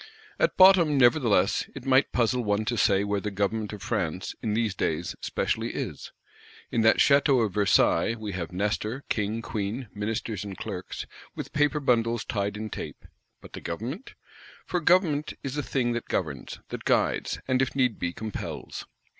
At bottom, nevertheless, it might puzzle one to say where the Government of France, in these days, specially is. In that Château of Versailles, we have Nestor, King, Queen, ministers and clerks, with paper bundles tied in tape: but the Government? For Government is a thing that governs, that guides; and if need be, compels.